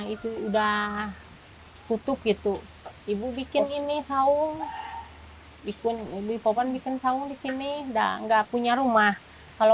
itu udah kutub itu ibu bikin ini saung ikun ibu popon bikin saung di sini nggak punya rumah kalau